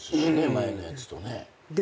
前のやつとね。